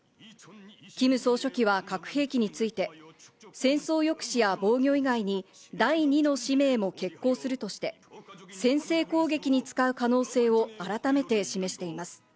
キム総書記は核兵器について、戦争抑止や防御以外に第２の使命も決行するとして、先制攻撃に使う可能性を改めて示しています。